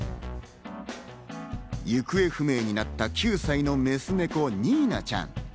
行方不明になった９歳のメスネコ、ニーナちゃん。